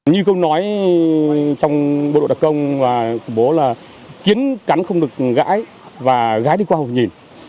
như câu nói trong bộ đội đặc công và khủng bố là kiến cắn không được gãi và gãi đi qua hồ nhìn